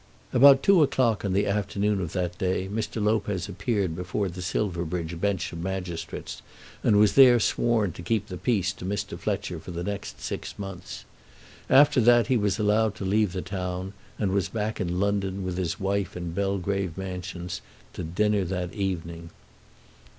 About two o'clock on the afternoon of that day Mr. Lopez appeared before the Silverbridge bench of magistrates, and was there sworn to keep the peace to Mr. Fletcher for the next six months. After that he was allowed to leave the town, and was back in London, with his wife in Belgrave Mansions, to dinner that evening.